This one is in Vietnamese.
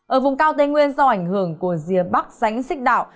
ở vùng cao tây nguyên do ảnh hưởng của rìa bắc sánh xích đạo